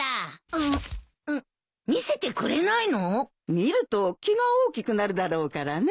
見ると気が大きくなるだろうからね。